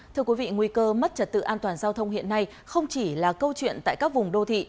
thưa quý vị nguy cơ mất trật tự an toàn giao thông hiện nay không chỉ là câu chuyện tại các vùng đô thị